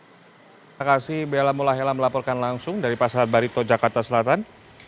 terima kasih bella mulahela melaporkan langsung dari pasar barito jakarta selatan